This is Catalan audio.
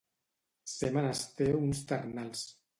Ser menester uns ternals.